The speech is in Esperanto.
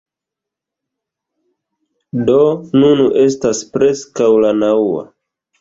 Do, nun estas preskaŭ la naŭa